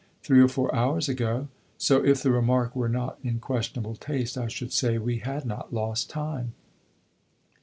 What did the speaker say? "Three or four hours ago. So, if the remark were not in questionable taste, I should say we had not lost time."